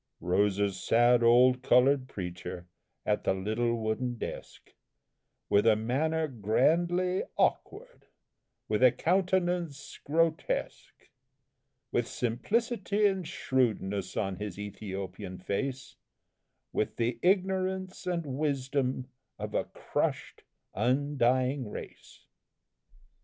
Rose a sad, old coloured preacher at the little wooden desk With a manner grandly awkward, with a countenance grotesque; With simplicity and shrewdness on his Ethiopian face; With the ignorance and wisdom of a crushed, undying race.